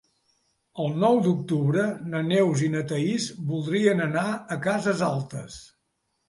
El nou d'octubre na Neus i na Thaís voldrien anar a Cases Altes.